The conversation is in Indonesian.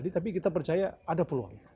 tapi kita percaya ada peluang